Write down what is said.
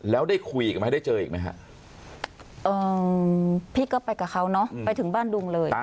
แล้วได้คุยอีกไหมได้เจออีกไหมฮะพี่ก็ไปกับเขาเนอะไปถึงบ้านดุงเลย